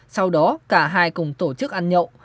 sau đó cả hai cùng tổ chức ăn nhậu